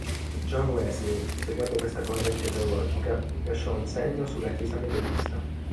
John Wesley, seguendo questa corrente teologica, lasciò un segno sulla Chiesa Metodista.